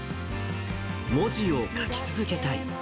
文字を書き続けたい。